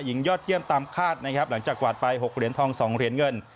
หญิงยอดเยี่ยมตามคาดนะครับหลังจากกวาดไป๖เหรียญทอง๒เหรียญเงิน